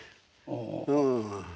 うん。